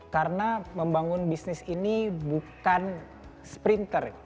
karena membangun bisnis ini bukan sprinter